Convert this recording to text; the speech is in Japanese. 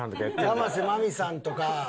山瀬まみさんとか。